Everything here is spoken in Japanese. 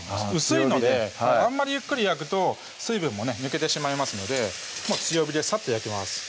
薄いのであんまりゆっくり焼くと水分もね抜けてしまいますのでもう強火でさっと焼きます